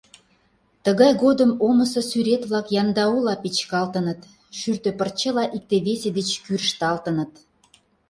Тыгай годым омысо сӱрет-влак яндаула печкалтыныт, шӱртӧ пырчыла икте-весе деч кӱрышталтыныт.